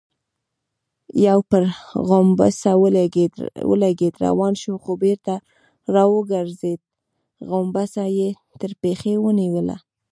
يو پر غومبسه ولګېد، روان شو، خو بېرته راوګرځېد، غومبسه يې تر پښې ونيوله.